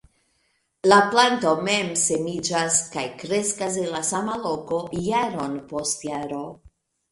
La planto mem-semiĝas, kaj kreskas en la sama loko jaron post jaro.